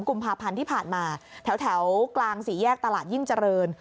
กุมภาพันธ์ที่ผ่านมาแถวกลางสี่แยกตลาดยิ่งเจริญ